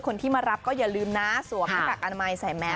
คนที่มารับก็อย่าลืมนะสวมหน้ากากอนามัยใส่แมส